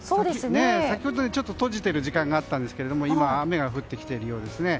先ほど、ちょっと閉じている時間があったんですが今は雨が降ってきているようです。